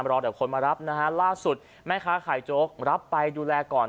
รอเดี๋ยวคนมารับนะฮะล่าสุดแม่ค้าขายโจ๊กรับไปดูแลก่อน